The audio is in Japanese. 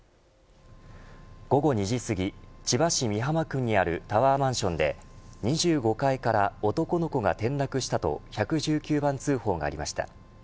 午後２時すぎ千葉市美浜区にあるタワーマンションで２５階から男の子が転落したと１１９番通報がありました。